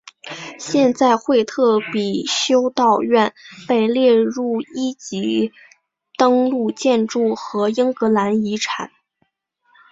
现在惠特比修道院被列入一级登录建筑和英格兰遗产。